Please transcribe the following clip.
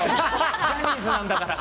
ジャニーズなんだから！